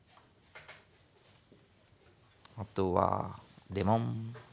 あとはレモン。